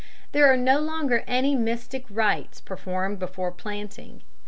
] There are no longer any mystic rites performed before planting.